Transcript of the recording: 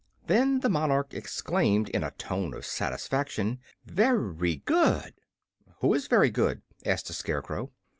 Then the monarch exclaimed, in a tone of satisfaction: "Very good!" "Who is very good?" asked the Scarecrow.